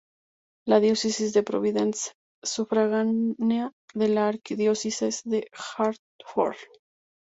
La Diócesis de Providence es sufragánea de la Arquidiócesis de Hartford.